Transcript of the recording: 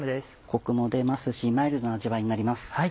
コクも出ますしマイルドな味わいになります。